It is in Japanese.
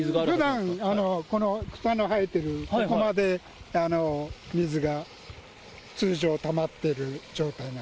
ふだん、この草の生えてるここまで、水が通常たまってる状態。